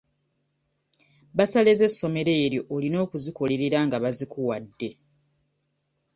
Bassale z'essomero eryo olina okuzikolerera nga bazikuwadde.